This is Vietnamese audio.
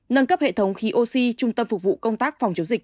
nâng cấp hệ thống khí oxy trung tâm phục vụ công tác phòng chống dịch